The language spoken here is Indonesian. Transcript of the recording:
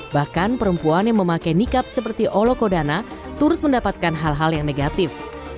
bahkan perempuan yang memakai nikab seperti olokodana turut mendapatkan hal hal yang negatif